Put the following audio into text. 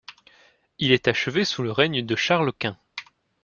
Il est achevé sous le règne de Charles Quint.